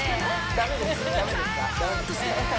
ダメですか？